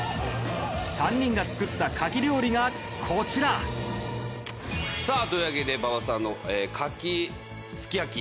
３人が作った柿料理がこちらさあというわけで馬場さんの柿すき焼き。